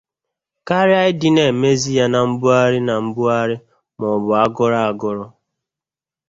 karịa ịdị na-emezị ya na mbugharị na mbugharị maọbụ a gụrụ gụrụ